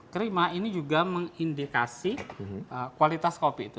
kerima ini juga mengindikasi kualitas kopi itu